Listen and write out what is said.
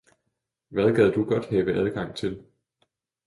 Hvad gad du godt have adgang til?